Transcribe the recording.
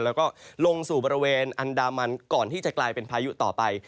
แล้วก็ลงสู่บริเวณอันดามันก่อนที่จะกลายเป็นพายุต่อไป